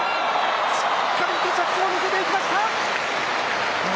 しっかりと着地も見せていきました。